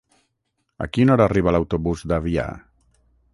A quina hora arriba l'autobús d'Avià?